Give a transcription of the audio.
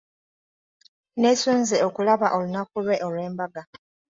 Nneesunze okulaba olunaku lwe olw'embaga.